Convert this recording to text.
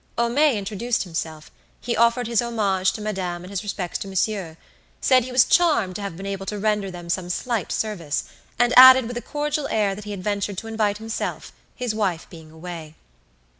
Homais introduced himself; he offered his homages to madame and his respects to monsieur; said he was charmed to have been able to render them some slight service, and added with a cordial air that he had ventured to invite himself, his wife being away.